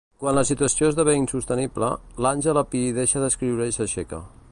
Quan la situació esdevé insostenible, l'Àngela Pi deixa d'escriure i s'aixeca.